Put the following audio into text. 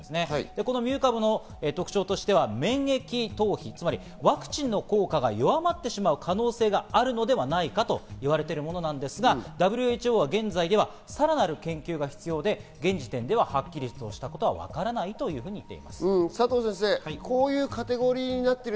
このミュー株の特徴としては免疫逃避、つまりワクチンの効果が弱まってしまう可能性があるのではないかと言われているものなんですが、ＷＨＯは現在ではさらなる研究が必要で現時点でははっきりしたことは分からないというふうに言っています。